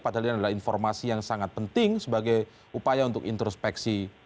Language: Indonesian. padahal ini adalah informasi yang sangat penting sebagai upaya untuk introspeksi